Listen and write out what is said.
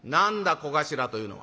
小頭というのは？」。